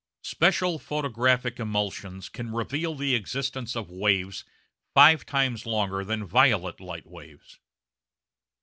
Special photographic emulsions can reveal the existence of waves five times longer than violet light waves.